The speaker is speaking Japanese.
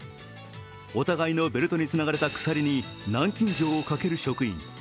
お互いのベルトにつながれた鎖に南京錠をかける職員。